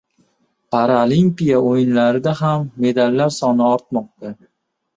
Paralimpiya o‘yinlarida ham medallar soni ortmoqda